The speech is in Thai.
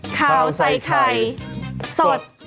ข่าวใส่ไข่สด